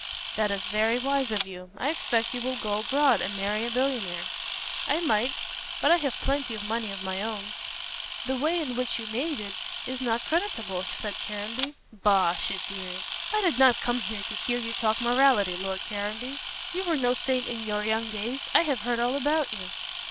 "That is very wise of you. I expect you will go abroad and marry a millionaire." "I might. But I have plenty of money of my own." "The way in which you made it is not creditable," said Caranby. "Bah!" she sneered. "I did not come here to hear you talk morality, Lord Caranby. You were no saint in your young days. I have heard all about you."